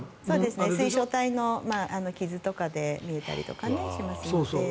水晶体の傷とかで見えたりするので。